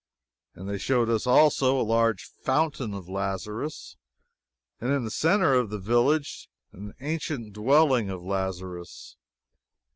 And they showed us also a large "Fountain of Lazarus," and in the centre of the village the ancient dwelling of Lazarus.